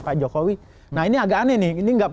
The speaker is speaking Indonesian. pak jokowi nah ini agak aneh nih ini